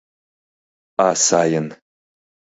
— А сайын...